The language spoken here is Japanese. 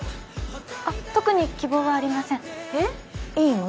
あっ特に希望はありませんえっいいの？